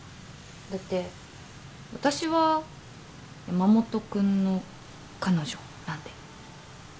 だって私は山本君の彼女なんで。